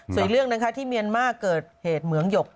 ส่วนอีกเรื่องนะคะที่เมียนมาร์เกิดเหตุเหมืองหยก